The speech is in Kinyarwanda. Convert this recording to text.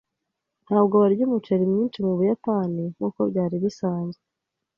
Ntabwo barya umuceri mwinshi mubuyapani nkuko byari bisanzwe.